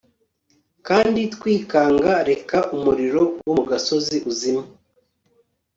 Kandi twikanga Reka umuriro wo mu gasozi uzimye…